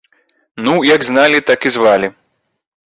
Ну, як зналі, так і звалі.